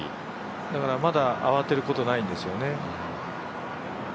だからまだ慌てることないんですよね。